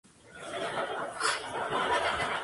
Además, escribió varias obras de teatro.